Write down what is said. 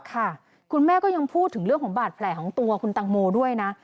คุณแม่ก็ยังพูดถึงเรื่องของบาดแผลของตัวคุณตังโมด้วยนะ